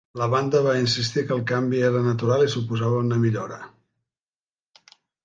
La banda va insistir que el canvi era natural i suposava una millora.